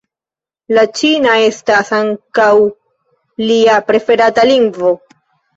La ĉina estas ankaŭ lia preferata lingvo.